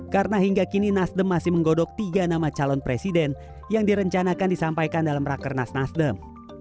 karena hingga kini nasdem masih menggodok tiga nama calon presiden yang direncanakan disampaikan dalam rakernas nasdem